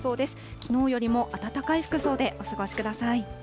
きのうよりも暖かい服装でお過ごしください。